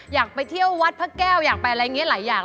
อยากไปเที่ยววัดพระแก้วอยากไปอะไรอย่างนี้หลายอย่าง